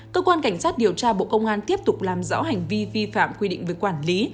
cơ quan cảnh sát điều tra bộ công an tiếp tục làm rõ hành vi vi phạm quy định về quản lý